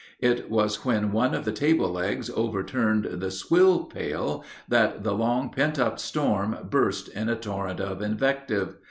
It was when one of the table legs overturned the swill pail that the long pent up storm burst in a torrent of invective.